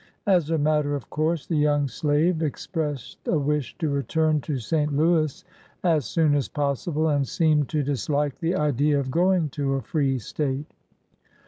As a matter of course, the young slave expressed a wish to return to St. Louis as soon as possible, and seemed to dislike the idea of going to a free State.